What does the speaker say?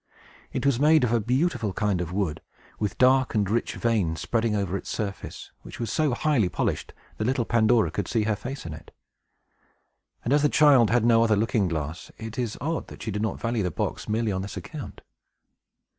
It was made of a beautiful kind of wood, with dark and rich veins spreading over its surface, which was so highly polished that little Pandora could see her face in it. As the child had no other looking glass, it is odd that she did not value the box, merely on this account.